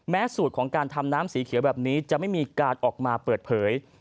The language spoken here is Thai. สูตรของการทำน้ำสีเขียวแบบนี้จะไม่มีการออกมาเปิดเผย